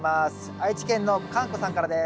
愛知県のかんこさんからです。